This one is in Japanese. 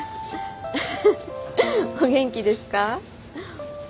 フフフお元気ですか？